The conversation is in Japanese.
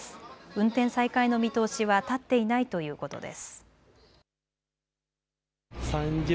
運転再開の見通しは立っていないということです。